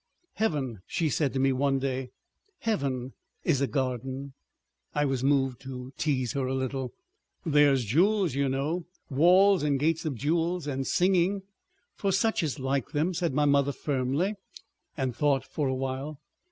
"Heaven," she said to me one day, "Heaven is a garden." I was moved to tease her a little. "There's jewels, you know, walls and gates of jewels—and singing." "For such as like them," said my mother firmly, and thought for a while.